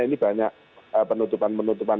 ini banyak penutupan penutupan